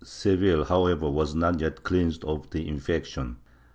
Seville, however, was not yet cleansed of the infection.